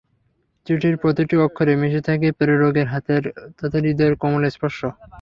চিঠির প্রতিটি অক্ষরে মিশে থাকে প্রেরকের হাতের তথা হৃদয়ের কোমল স্পর্শ।